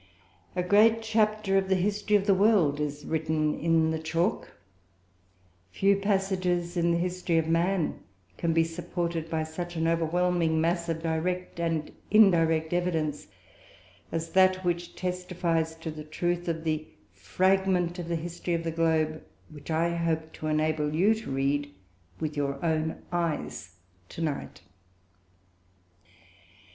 A great chapter of the history of the world is written in the chalk. Few passages in the history of man can be supported by such an overwhelming mass of direct and indirect evidence as that which testifies to the truth of the fragment of the history of the globe, which I hope to enable you to read, with your own eyes, to night.